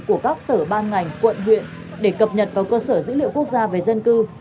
của các sở ban ngành quận huyện để cập nhật vào cơ sở dữ liệu quốc gia về dân cư